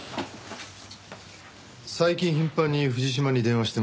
最近頻繁に藤島に電話してます。